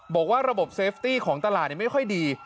บอกว่าระบบเซฟตี้ของตลาดไม่ค่อยดี